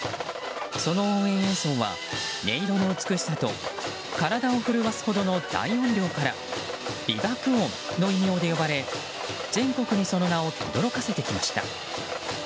その応援演奏は音色の美しさと体を震わすほどの大音量から美爆音の異名で呼ばれ、全国にその名をとどろかせてきました。